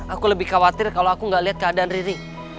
aku lebih khawatir kalau aku gak lihat keadaan riri